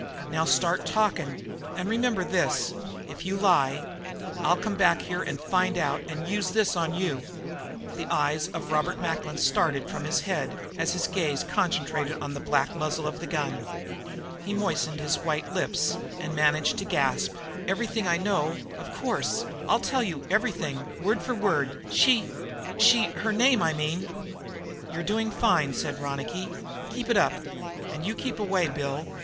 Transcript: Now start talking, and remember this, if you lie, I'll come back here and find out and use this on you." The eyes of Robert Macklin started from his head, as his gaze concentrated on the black muzzle of the gun. He moistened his white lips and managed to gasp: "Everything I know, of course. Ill tell you everything, word for word. She she her name I mean " "You're doing fine," said Ronicky. "Keep it up, and you keep away, Bill.